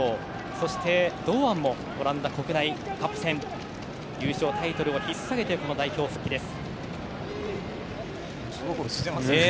そして、堂安もオランダ国内カップ戦での優勝タイトルを引っ提げて代表復帰です。